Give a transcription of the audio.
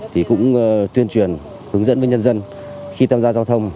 thì cũng tuyên truyền hướng dẫn với nhân dân khi tham gia giao thông